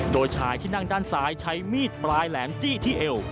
โดยชายที่นั่งด้านซ้ายใช้มีดปลายแหลมจี้ที่เอว